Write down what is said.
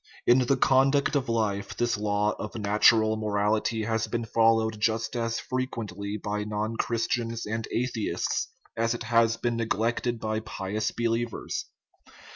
In the conduct of life this law of natural mo rality has been followed just as frequently by non Chris tians and atheists as it has been neglected by pious believers.